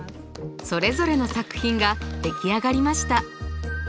それぞれの作品が出来上がりました。